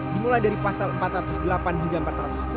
dimulai dari pasal empat ratus delapan hingga empat ratus sepuluh